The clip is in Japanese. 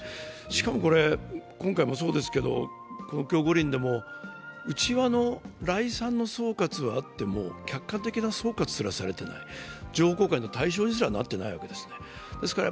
しかも、今回もそうですけど、東京五輪でも内輪の概算の総括はあっても客観的な総括すらされていない、情報公開の対象にすらなっていないわけですね。